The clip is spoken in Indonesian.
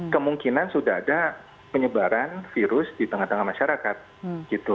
kemungkinan sudah ada penyebaran virus di tengah tengah masyarakat gitu